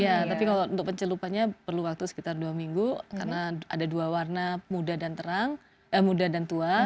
iya tapi untuk pencelupannya perlu waktu sekitar dua minggu karena ada dua warna muda dan tua